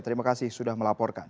terima kasih sudah melaporkan